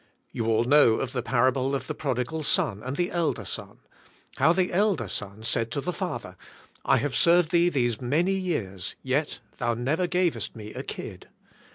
You all know the parable of the prodig alson and the elder son. How the elder son said to the father, "I have served thee these many years, yet thou never g avest me a kid."